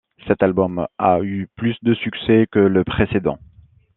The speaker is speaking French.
Cet album a eu plus de succès que le précédent.